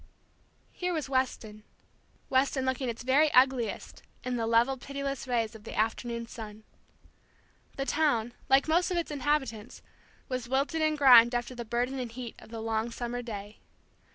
Here was Weston. Weston looking its very ugliest in the level pitiless rays of the afternoon sun. The town, like most of its inhabitants, was wilted and grimed after the burden and heat of the long summer day.